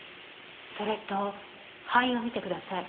それと肺を見てください。